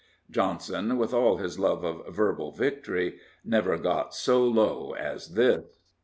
Johnson, with all his love of verbal victory, never got so low as this.